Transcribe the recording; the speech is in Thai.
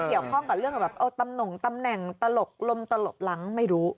เกี่ยวข้องกับเรื่องแบบเออตำหน่งตำแหน่งตลกลมตลบหลังไม่รู้